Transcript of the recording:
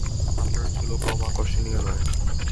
আপনার চুলও কম আকর্ষনীয় নয়!